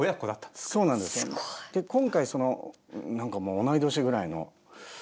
で今回その何かもう同い年ぐらいの。